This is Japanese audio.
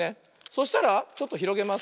そしたらちょっとひろげます。